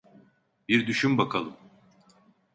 Bir düşün bakalım.